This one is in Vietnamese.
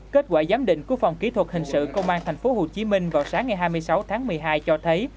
kết quả giám định của phòng kỹ thuật hình sự công an tp hcm vào sáng ngày hai mươi sáu tháng một mươi hai cho thấy